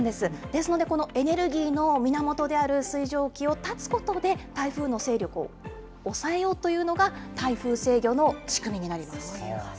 ですのでこのエネルギーの源である水蒸気を断つことで、台風の勢力を抑えようというのが、台風制御の仕組みになります。